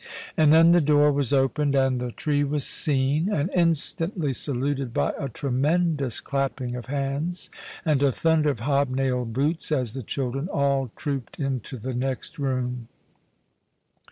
And then the door was opened, and the 176 The Christmas Hirelings. tree was seen, and instantly saluted by a tremendous clapping of hands and a thunder of hob nailed boots as the children all trooped into the next room.